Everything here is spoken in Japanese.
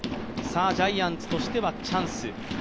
ジャイアンツとしてはチャンス。